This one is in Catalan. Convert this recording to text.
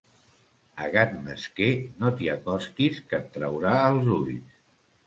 A gat mesquer no t'hi acostis, que et traurà els ulls.